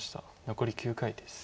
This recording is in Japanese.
残り９回です。